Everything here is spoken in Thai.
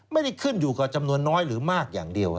ไม่ได้ขึ้นอยู่กับจำนวนน้อยหรือมากอย่างเดียว